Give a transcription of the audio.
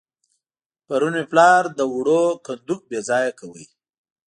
پرون مې پلار د وړو کندو بېځايه کاوه.